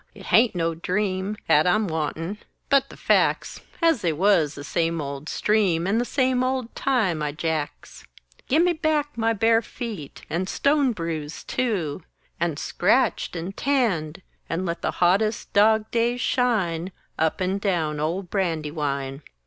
it haint no dream 'At I'm wantin', but the fac's As they wuz; the same old stream, And the same old times, i jacks! Gim me back my bare feet and Stonebruise too! And scratched and tanned! And let hottest dog days shine Up and down old Brandywine!